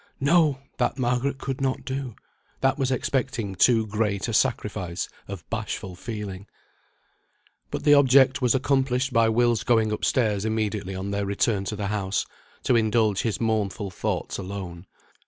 No! that Margaret could not do. That was expecting too great a sacrifice of bashful feeling. But the object was accomplished by Will's going up stairs immediately on their return to the house, to indulge his mournful thoughts alone.